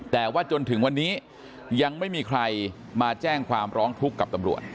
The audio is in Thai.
แต่ว่าจนถึงวันนี้ยังไม่มีใครมาแจ้งความร้องทุกข์กับตำรวจ